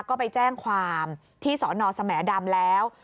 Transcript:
ก็ไปแจ้งความที่สนสแหมดำแล้ว